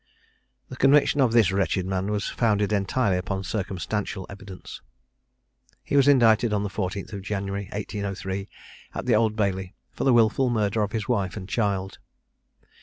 The conviction of this wretched man was founded entirely upon circumstantial evidence. He was indicted on the 14th January, 1803, at the Old Bailey, for the wilful murder of his wife and child.